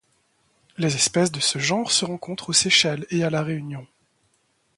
Les espèces de ce genre se rencontrent aux Seychelles et à La Réunion.